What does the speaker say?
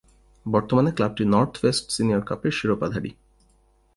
বর্তমানে ক্লাবটি north west senior কাপের শিরোপাধারী।